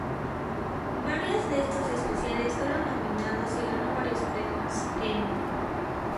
Varios de estos especiales fueron nominados y ganó varios premios Emmy.